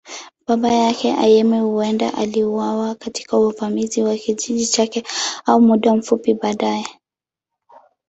Baba yake, Ayemi, huenda aliuawa katika uvamizi wa kijiji chake au muda mfupi baadaye.